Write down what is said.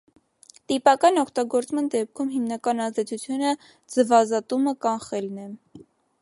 Տիպական օգտագործման դեպքում հիմնական ազդեցությունը ձվազատումը կանխելն է։